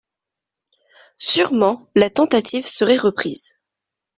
Sûrement la tentative serait reprise.